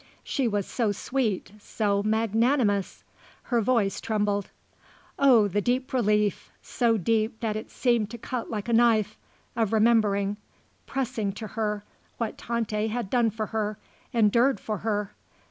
She was so sweet, so magnanimous," her voice trembled. Oh the deep relief, so deep that it seemed to cut like a knife of remembering, pressing to her, what Tante had done for her, endured for her!